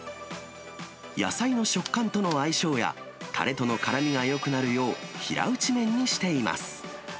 野菜の食感との相性や、たれとのからみがよくなるよう、平打ち麺にしています。